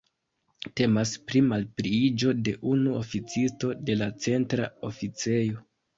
Temas pri malpliiĝo de unu oficisto en la Centra Oficejo.